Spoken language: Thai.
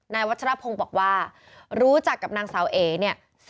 วัชรพงศ์บอกว่ารู้จักกับนางสาวเอ๋เนี่ย